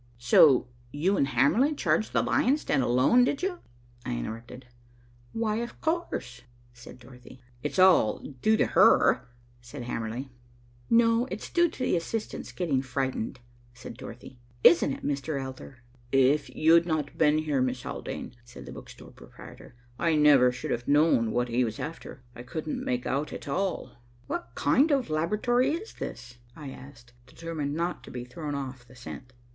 "So you and Hamerly charged the lion's den alone, did you?" I interrupted. "Why, of course," said Dorothy. "It's all due to her," said Hamerly. "No, it's due to the assistant's getting frightened," said Dorothy. "Isn't it, Mr. Elder?" "If you'd not been here, Miss Haldane," said the book store proprietor, "I never should have known what he was after. I couldn't make out at all." "What kind of laboratory is this?" I asked, determined not to be thrown off the scent.